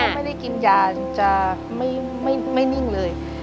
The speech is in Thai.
ไม่ได้กินยาจนจะไม่นิ่งเลย